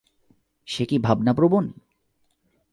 সে কি ভাবনাপ্রবণ?